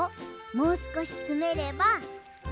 もうすこしつめれば。